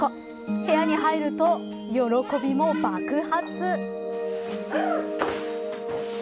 部屋に入ると喜びも爆発。